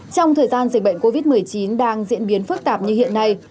trong thời gian dịch bệnh covid một mươi chín đang diễn biến phức tạp như hiện nay